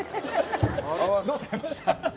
どうされました？